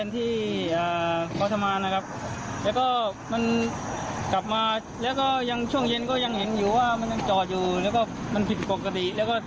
ตรงเลยแล้วทีนี้ก็ให้เพลงติดต่อ